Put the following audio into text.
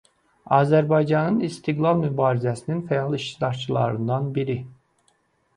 Azərbaycanın istiqlal mübarizəsinin fəal iştirakçılarından biri.